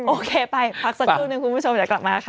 โอเคไปพักสักชั่วหนึ่งคุณผู้ชมจะกลับมาค่ะ